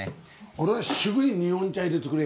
俺は渋い日本茶いれてくれ。